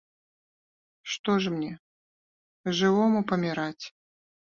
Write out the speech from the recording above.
Што ж мне, жывому, паміраць?